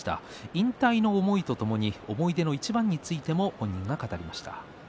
引退の思いとともに思い出の一番について語りました。